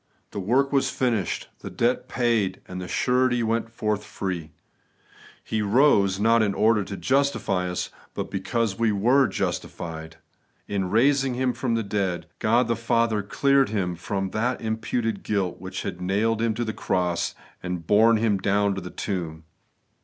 The work was finished, the debt paid, and the surety went forth free : He rose, not in order to justify us, but because we were justified. In raising Him from the dead, God the Father cleared Him from the im puted guilt which had nailed Him to the cross and borne Him down to the tomb.